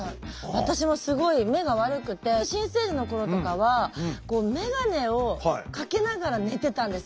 私もすごい目が悪くて新生児の頃とかはメガネをかけながら寝てたんです。